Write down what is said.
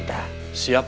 terima kasih pak